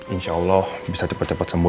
insya allah bisa cepet cepet sembuh